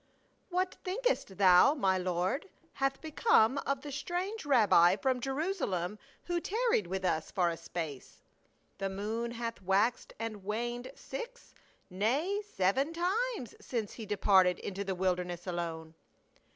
" TX THAT thinkcst thou, my lord, hath become ▼ V of the strange rabbi from Jerusalem who tarried with us for a space ? The moon hath waxed and waned six — nay, seven times — since he departed into the wilderness alone."